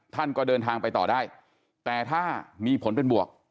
ท่านก็เดินทางไปต่อได้แต่ถ้ามีผลเป็นบวก